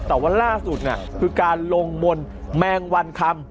แต่วันล่าสุดน่ะคือการลงมนแมงวันคำ